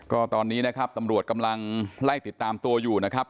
ก็ตอนนี้นะครับตำรวจกำลังไล่ติดตามตัวอยู่นะครับ